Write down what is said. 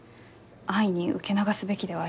安易に受け流すべきではありません。